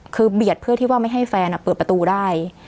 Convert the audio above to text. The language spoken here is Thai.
คือเบียดเพื่อที่ว่าไม่ให้แฟนเปิดประตูได้